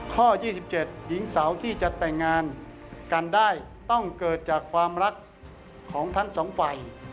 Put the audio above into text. ข้อ๒๗หญิงสาวที่จะแต่งงานกันได้ต้องเกิดจากความรักของทั้งสองฝ่าย